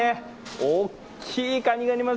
大きいかにがあります。